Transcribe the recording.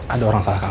ada orang salah kamar